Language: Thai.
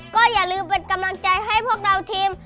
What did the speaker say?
ก็อย่าลืมเป็นกำลังใจให้พวกเราทีม